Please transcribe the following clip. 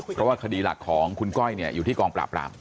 เพราะว่าคดีหลักของคุณก้อยอยู่ที่กองปราบราม